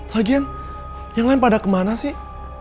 hagian yang lain pada kemana sih